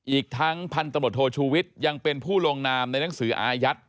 อีกทั้งพันตำรวจโทชูวิทย์ยังเป็นผู้ลงนามในหนังสืออายัด